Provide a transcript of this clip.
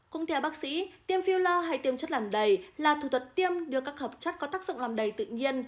cũng theo bác sĩ tiêm phiêu lo hay tiêm chất làm đầy là thủ thuật tiêm đưa các hợp chất có tác dụng làm đầy tự nhiên